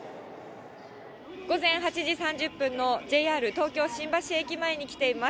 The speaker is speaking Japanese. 午前８時３０分のＪＲ東京・新橋駅前に来ています。